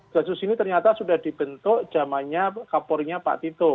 kasus ini ternyata sudah dibentuk zamannya kapolri nya pak tito